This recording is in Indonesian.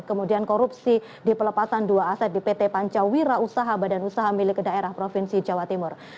kemudian korupsi di pelepasan dua aset di pt pancawira usaha badan usaha milik daerah provinsi jawa timur